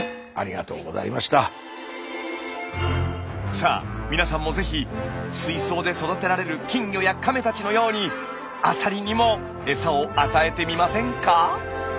さあ皆さんもぜひ水槽で育てられる金魚や亀たちのようにアサリにもエサを与えてみませんか？